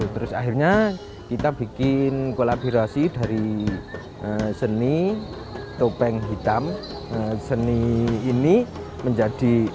terus akhirnya kita bikin kolaborasi dari seni topeng hitam seni ini menjadi